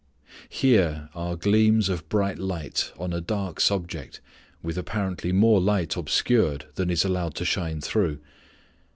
Here are gleams of bright light on a dark subject with apparently more light obscured than is allowed to shine through.